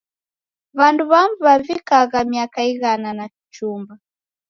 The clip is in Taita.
W'andu w'amu w'avikagha miaka ighana na kuchumba.